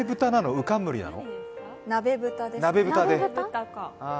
ウかんむりなの？